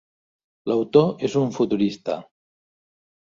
L'autor és un futurista.